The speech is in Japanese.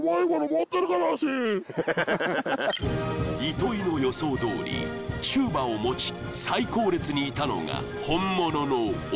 糸井の予想どおりチューバを持ち最後列にいたのが本物の鬼